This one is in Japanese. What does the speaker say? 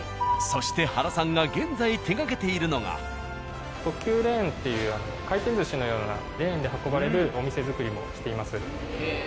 そして原さんが特急レ―ンという回転寿司のようなレーンで運ばれるお店作りもしています。